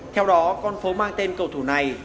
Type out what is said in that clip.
theo đó con phố mang tên cầu thủ này